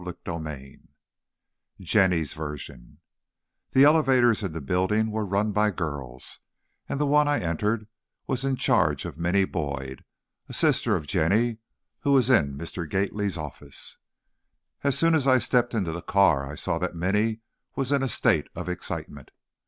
CHAPTER II Jenny's Version The elevators in the building were run by girls, and the one I entered was in charge of Minny Boyd, a sister of Jenny, who was in Mr. Gately's office. As soon as I stepped into the car I saw that Minny was in a state of excitement.